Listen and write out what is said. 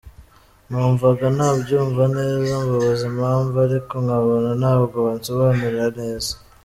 Numvaga ntabyumva neza mbabaza impamvu ariko nkabona ntabwo bansobanurira neza.